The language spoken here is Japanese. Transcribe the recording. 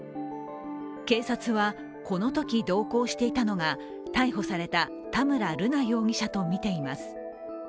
警察はこのとき同行していたのが逮捕した瑠奈容疑者とみています。